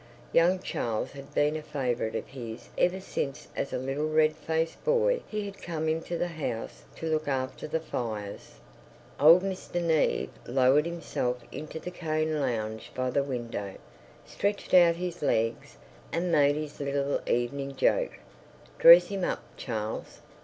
Young Charles had been a favourite of his ever since as a little red faced boy he had come into the house to look after the fires. Old Mr. Neave lowered himself into the cane lounge by the window, stretched out his legs, and made his little evening joke, "Dress him up, Charles!"